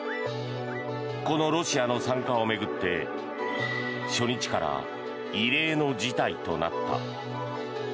このロシアの参加を巡って初日から異例の事態となった。